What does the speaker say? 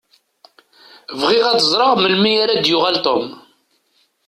Bɣiɣ ad ẓṛeɣ melmi ara d-yuɣal Tom.